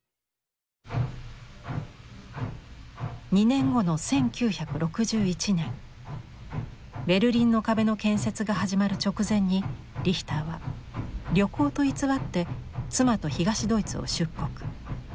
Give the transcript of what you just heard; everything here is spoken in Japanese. ２年後の１９６１年ベルリンの壁の建設が始まる直前にリヒターは旅行と偽って妻と東ドイツを出国。